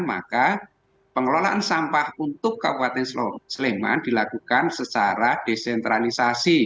maka pengelolaan sampah untuk kabupaten sleman dilakukan secara desentralisasi